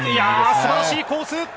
素晴らしいコース。